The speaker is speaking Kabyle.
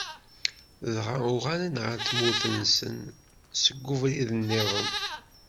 Dɣa uɣalen ɣer tmurt-nsen seg ubrid-nniḍen.